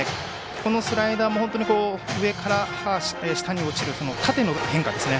このスライダーも本当に上から下に落ちる縦の変化ですね。